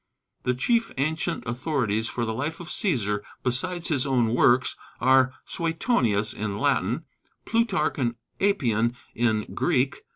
The chief ancient authorities for the life of Cæsar, besides his own works, are Suetonius in Latin, Plutarch and Appian in Greek.